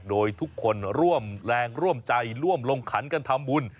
โดยทุกคนร่วมแรงร่วมใจร่วมลงขันกันทำบุญ